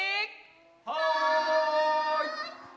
はい！